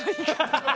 ハハハハ！